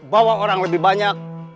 bawa orang lebih banyak